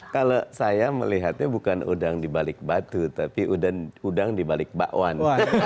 kalau saya melihatnya bukan udang di balik batu tapi udang di balik bakwan